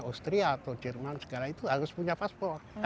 austria atau jerman segala itu harus punya paspor